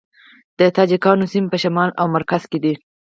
د تاجکانو سیمې په شمال او مرکز کې دي